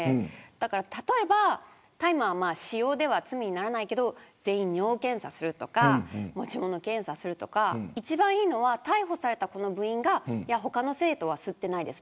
だから例えば大麻は使用では罪にならないけど全員、尿検査するとか持ち物検査するとか一番いいのは逮捕された部員が他の生徒は吸ってないです